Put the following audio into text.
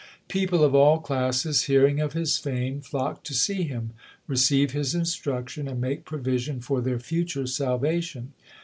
People of all classes hearing of his fame flocked to see him, receive his instruction, and make provision for their future salvation.